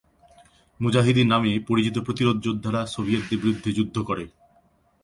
মুজাহিদিন নামে পরিচিত প্রতিরোধ যোদ্ধারা সোভিয়েতদের বিরুদ্ধে যুদ্ধ করে।